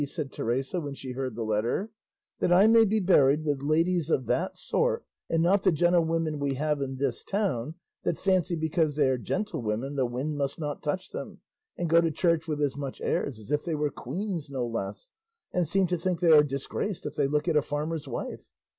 said Teresa when she heard the letter; "that I may be buried with ladies of that sort, and not the gentlewomen we have in this town, that fancy because they are gentlewomen the wind must not touch them, and go to church with as much airs as if they were queens, no less, and seem to think they are disgraced if they look at a farmer's wife!